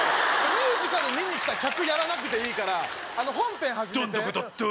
ミュージカル見に来た客やらなくていいから本編始めて。